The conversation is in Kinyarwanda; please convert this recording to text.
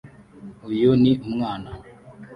Uyu ni umwana